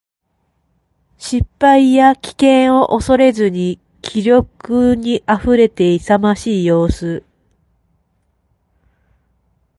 失敗や危険を恐れず気力に溢れていて、勇ましい様子。